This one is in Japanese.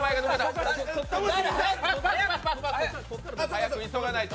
早く、急がないと。